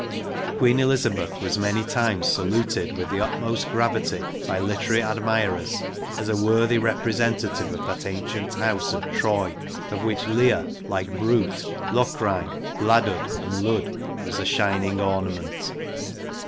Queen Elizabeth was many times saluted with the utmost gravity by literary admirers as a worthy representative of that ancient house of Troy, of which Lear, like Brute, Locrine, Bladud and Lud, was a shining ornament.